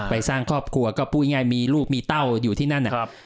สร้างครอบครัวก็พูดง่ายมีลูกมีเต้าอยู่ที่นั่นนะครับ